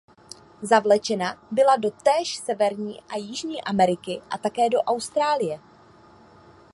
Zavlečena byla do též Severní a Jižní Ameriky a také do Austrálie.